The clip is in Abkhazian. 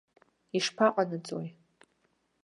Ишԥаҟанаҵои?